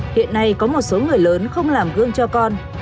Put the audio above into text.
hiện nay có một số người lớn không làm gương cho con